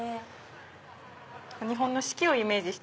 日本の四季をイメージして。